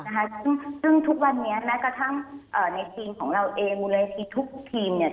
นะคะซึ่งทุกวันนี้แม้กระทั่งในทีมของเราเองมูลนิธิทุกทีมเนี่ย